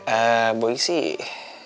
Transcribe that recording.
eh boy sih